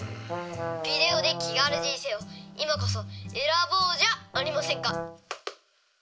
ビデオデッキがある人生を今こそ選ぼうじゃありませんか！